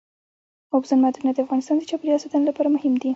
اوبزین معدنونه د افغانستان د چاپیریال ساتنې لپاره مهم دي.